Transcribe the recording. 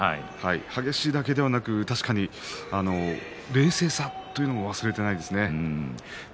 激しいだけではなくて冷静さということも忘れていないですね。